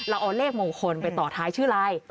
เราเอาเลขมงคลไปต่อท้ายชื่ออะไร